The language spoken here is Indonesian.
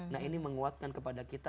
nah ini menguatkan kepada kita